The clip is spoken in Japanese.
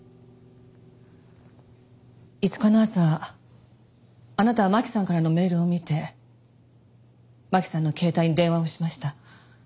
５日の朝あなたは真輝さんからのメールを見て真輝さんの携帯に電話をしました。